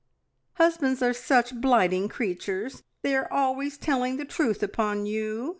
"Husbands are such blighting creatures; they are always telling the truth upon you!"